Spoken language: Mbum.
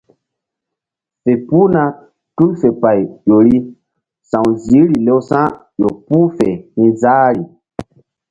Fe puhna tul fe pay ƴo ri sa̧w ziihri lewsa̧ ƴo puh fe hi̧ záhri.